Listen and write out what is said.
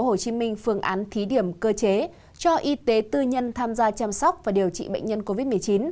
tp hcm phương án thí điểm cơ chế cho y tế tư nhân tham gia chăm sóc và điều trị bệnh nhân covid một mươi chín